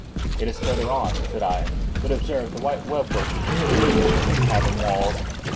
"It is farther on," said I; "but observe the white web work which gleams from these cavern walls."